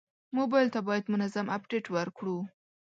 موبایل ته باید منظم اپډیټ ورکړو.